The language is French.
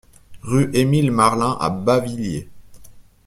Rue Émile Marlin à Bavilliers